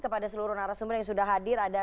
kepada seluruh narasumber yang sudah hadir ada